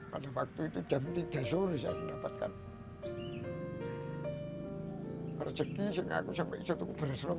pada waktu itu jam tiga sore saya mendapatkan rezeki yang aku dan isu berhasrat